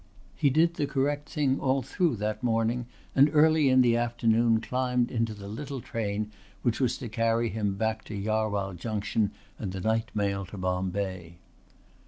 He did the correct thing all through that morning and early in the afternoon climbed into the little train which was to carry him back to Jarwhal Junction and the night mail to Bombay.